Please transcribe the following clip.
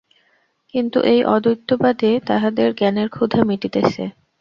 কিন্তু এই অদ্বৈতবাদে তাঁহাদের জ্ঞানের ক্ষুধা মিটিতেছে।